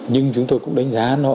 nhưng chúng tôi cũng đánh giá nó